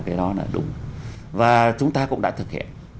cái đó là đúng và chúng ta cũng đã thực hiện